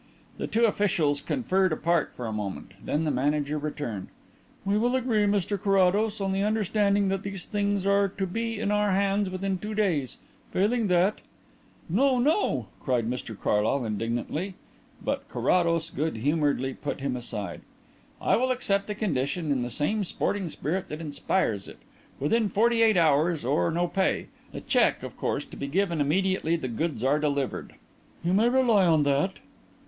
The two officials conferred apart for a moment. Then the manager returned. "We will agree, Mr Carrados, on the understanding that these things are to be in our hands within two days. Failing that " "No, no!" cried Mr Carlyle indignantly, but Carrados good humouredly put him aside. "I will accept the condition in the same sporting spirit that inspires it. Within forty eight hours or no pay. The cheque, of course, to be given immediately the goods are delivered?" "You may rely on that."